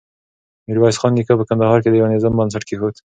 ميرويس خان نيکه په کندهار کې د يوه نظام بنسټ کېښود.